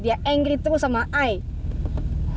dia marah terus sama ayah